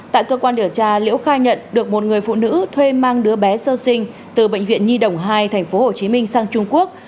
tại cơ quan điều tra liễu khai nhận được một người phụ nữ thuê mang đứa bé sơ sinh từ bệnh viện nhi đồng hai tp hcm sang trung quốc